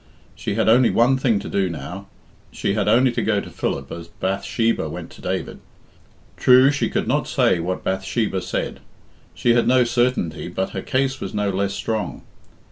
She had only one thing to do now. She had only to go to Philip as Bathsheba went to David. True, she could not say what Bathsheba said. She had no certainty, but her case was no less strong.